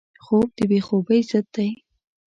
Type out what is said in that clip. خوب د بې خوبۍ ضد دی